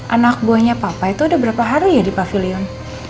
anak buahnya papa itu ada berapa hari ya di pavilion